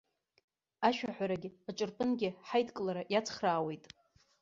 Ашәаҳәарагьы, аҿырпынгьы ҳаидкылара иацхраауеит.